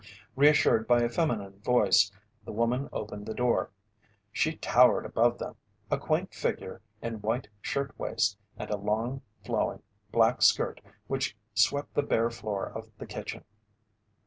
Reassured by a feminine voice, the woman opened the door. She towered above them, a quaint figure in white shirtwaist and a long flowing black skirt which swept the bare floor of the kitchen.